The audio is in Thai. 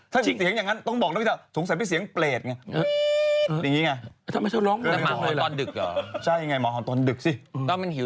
ถ้าชิงเสียงอย่างนั้นต้องบอกนะพี่แต่สงสัยเป็นเสียงเปรตไง